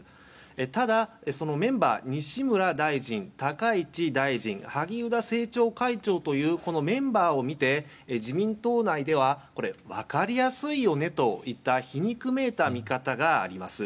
ただ、そのメンバー西村大臣、高市大臣萩生田政調会長というこのメンバーを見て自民党内では分かりやすいよねといった皮肉めいた見方があります。